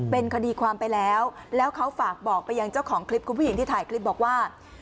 เป็นคดีความไปแล้วแล้วเขาฝากบอกไปยังเจ้าของคลิปคุณผู้หญิงที่ถ่ายคลิปบอกว่า